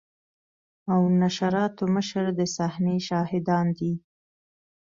او نشراتو مشر د صحنې شاهدان دي.